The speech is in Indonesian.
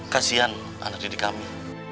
kasian anak didik kami